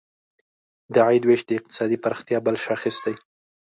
د عاید ویش د اقتصادي پراختیا بل شاخص دی.